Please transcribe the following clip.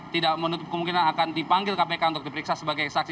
tidak menutup kemungkinan akan dipanggil kpk untuk diperiksa sebagai saksi